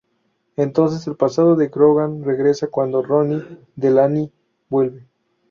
Entonces el pasado de Grogan regresa cuando Ronny Delany vuelve.